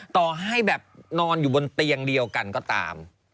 ต่อให้แบบนอนอยู่บนเตียงเดียวกันก็ตาม